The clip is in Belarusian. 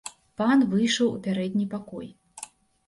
Пан выйшаў у пярэдні пакой.